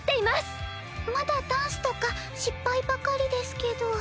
まだダンスとか失敗ばかりですけど。